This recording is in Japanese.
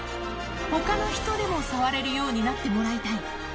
ほかの人でも触れるようになってもらいたい。